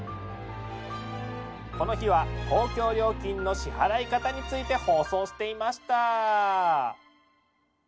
この日は公共料金の支払い方について放送していました。